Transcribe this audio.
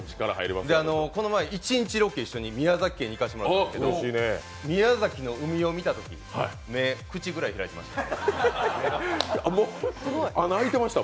この前、一日ロケに一緒に宮崎県に行ってたんですけど、宮崎の海を見たとき、目、口ぐらい開いてました穴、空いてました？